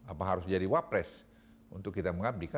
apa harus jadi wapres untuk kita mengabdikan